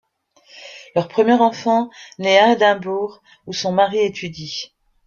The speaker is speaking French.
Leur premier enfant naît à Édimbourg, où son mari étudie.